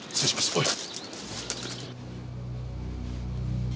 おい！